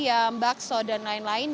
yang membeli makanan makanan yang lain lain